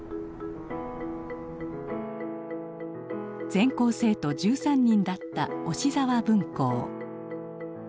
全校生徒１３人だった雄子沢分校。